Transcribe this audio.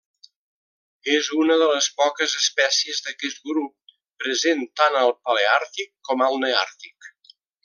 És una de les poques espècies d'aquest grup present tant al paleàrtic com al neàrtic.